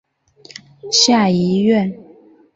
下议院。